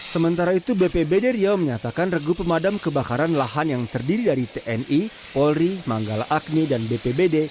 sementara itu bpbd riau menyatakan regu pemadam kebakaran lahan yang terdiri dari tni polri manggala agni dan bpbd